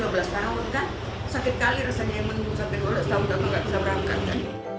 sakit kali rasanya yang menunggu sampai dua belas tahun gak bisa berangkat